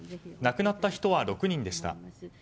亡くなった人は６人でした。